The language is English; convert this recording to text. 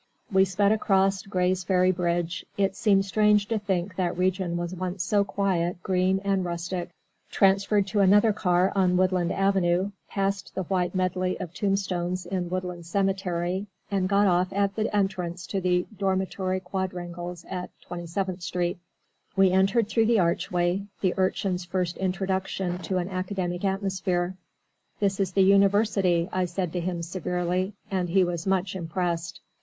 We sped across Gray's Ferry bridge it seems strange to think that region was once so quiet, green, and rustic transferred to another car on Woodland Avenue, past the white medley of tombstones in Woodland Cemetery, and got off at the entrance to the dormitory quadrangles at Thirty seventh Street. We entered through the archway the Urchin's first introduction to an academic atmosphere. "This is the University," I said to him severely, and he was much impressed.